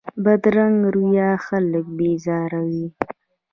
بدرنګه رویه خلک بېزاروي